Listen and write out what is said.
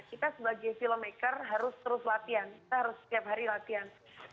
kita sebagai filmmaker harus terus latihan kita harus setiap hari latihan